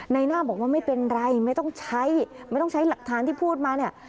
ในหน้าบอกว่าไม่เป็นไรไม่ต้องใช้ไม่ต้องใช้หลักฐานที่พูดมาเนี่ย